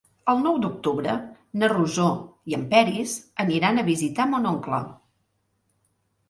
El nou d'octubre na Rosó i en Peris aniran a visitar mon oncle.